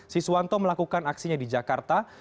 siswanto melakukan aksinya di jakarta